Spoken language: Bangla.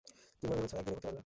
কী ভেবেছো একদিনে করতে পারবে?